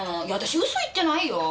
嘘言ってないよ。